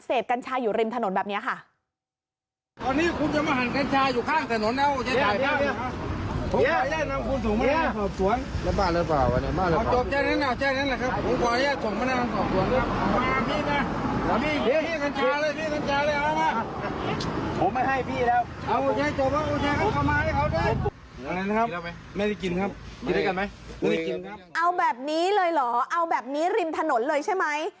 เอาแบบนี้เลยเหรอเอาแบบนี้ริมถนนเลยใช่ไหม